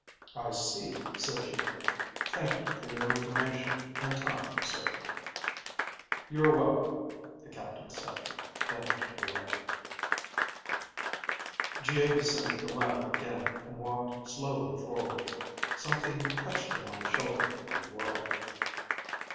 "I see," said Geo. "Thank you for your information and time, sir." "You are welcome," the captain said. Then he turned away. Geo descended the ladder again and walked slowly forward. Something touched him on the shoulder and he whirled.